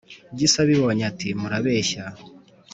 gisa abibonye ati : murabeshya